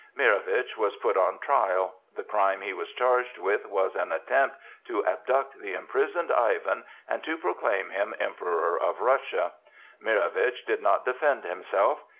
Mirowitch was put on trial. The crime he was charged with was an attempt to abduct the imprisoned Ivan and to proclaim him Emperor of Russia. Mirowitch did not defend himself.